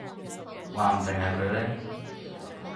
話唔定係佢呢